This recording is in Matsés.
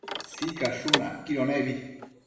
Sicashun acquido nebi